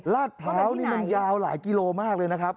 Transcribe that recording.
ลาดพร้าวนี่มันยาวหลายกิโลมากเลยนะครับ